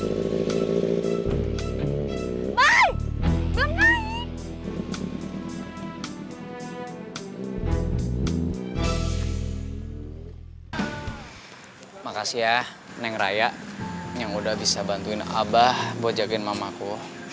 terima kasih ya neng raya yang udah bisa bantuin abah buat jagain mamaku